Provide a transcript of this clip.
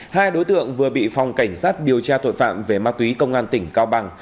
hai đối tượng vừa bị phòng cảnh sát điều tra tội phạm về ma túy công an tỉnh cao bằng